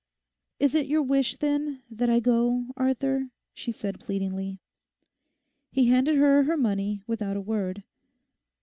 'It is your wish then that I go, Arthur?' she said pleadingly. He handed her her money without a word.